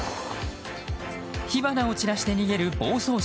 火花を散らして逃げる防走車。